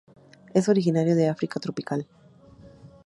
Es originario del África tropical.